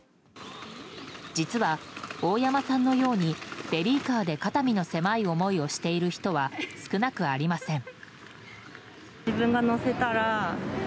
実は、大山さんのようにベビーカーで肩身の狭い思いをしている人は少なくありません。